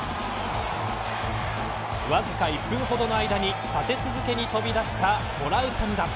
わずか１分ほどの間に立て続けに飛び出したトラウタニ弾。